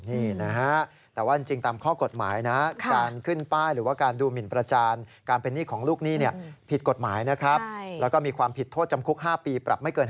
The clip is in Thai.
นี่นะฮะแต่ว่าจริงตามข้อกฎหมายนะการขึ้นป้ายหรือว่าการดูหมินประจานการเป็นหนี้ของลูกหนี้ผิดกฎหมายนะครับแล้วก็มีความผิดโทษจำคุก๕ปีปรับไม่เกิน๕